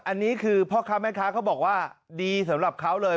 อันนี้คือพ่อค้าแม่ค้าเขาบอกว่าดีสำหรับเขาเลย